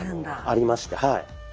ありましてはい。